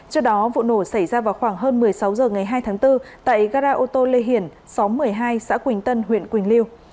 trước đó vụ nổ xảy ra vào khoảng hơn một mươi sáu h ngày hai tháng bốn tại gara ô tô lê hiển xóm một mươi hai xã quỳnh tân huyện quỳnh lưu